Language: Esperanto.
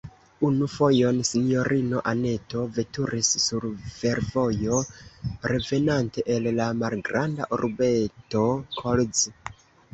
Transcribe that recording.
Unu fojon sinjorino Anneto veturis sur fervojo, revenante el la malgranda urbeto Kolz.